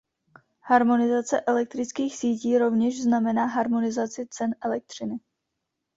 Harmonizace elektrických sítí rovněž znamená harmonizaci cen elektřiny.